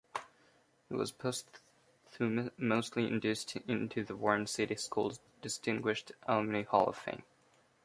He was posthumously inducted into the Warren City Schools Distinguished Alumni Hall of Fame.